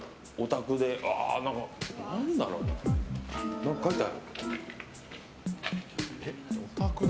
何か書いてある。